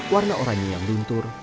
warna orangnya yang lintur